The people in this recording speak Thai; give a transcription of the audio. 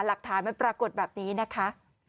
หลักฐานมันปรากฏแบบนี้นะคะ